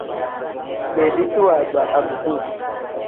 Beediti waagba abduu.